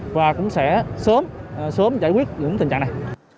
và cũng sẽ sớm sớm giải quyết những tình trạng này